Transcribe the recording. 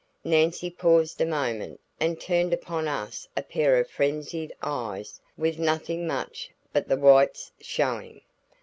Nancy paused a moment and turned upon us a pair of frenzied eyes with nothing much but the whites showing.